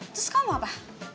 terus kamu apa